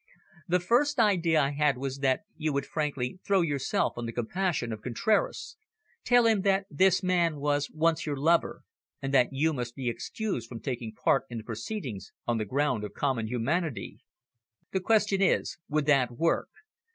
"The first idea I had was that you would frankly throw yourself on the compassion of Contraras, tell him that this man was once your lover, and that you must be excused from taking part in the proceedings on the ground of common humanity. The question is, would that work?